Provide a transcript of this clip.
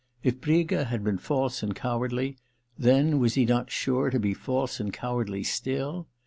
If Briga had been false and cowardly then, was he not sure to be false and cowardly still